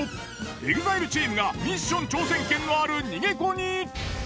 ＥＸＩＬＥチームがミッション挑戦権のある逃げ子に！